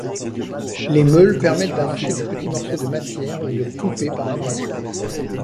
Les meules permettent d'arracher des petits morceaux de matière ou de couper par abrasion.